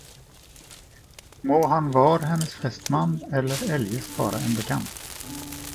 Må han var hennes fästman, eller eljes bara en bekant.